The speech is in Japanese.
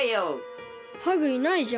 ハグいないじゃん。